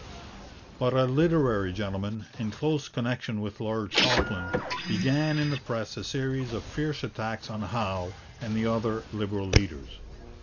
But a literary gentleman, in close connection with Lord Falkland, began in the press a series of fierce attacks on Howe and the other Liberal leaders.